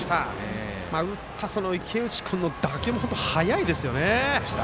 打った池内君の打球も速いですよね。